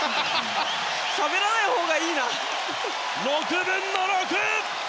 ６分の６！